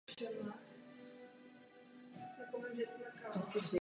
V zájmu občanů je jistá a cenově dostupná energie.